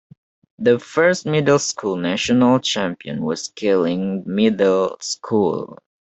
The first middle school national champion was Kealing Middle School.